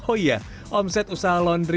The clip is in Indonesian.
oh iya omset usaha laundry